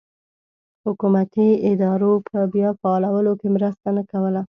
حکومتي ادارو په بیا فعالولو کې مرسته نه کوله.